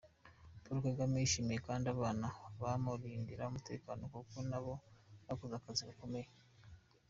Paul Kagame yashimiye kandi abana bamurindira umutekano kuko nabo bakoze akazi gakomeye.